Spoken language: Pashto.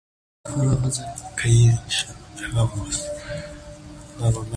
انار د افغانستان د اقتصادي ودې لپاره ارزښت لري.